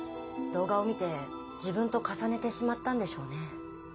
動画を見て自分と重ねてしまったんでしょうね。